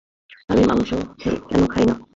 আমি মাংস কেন খাই না?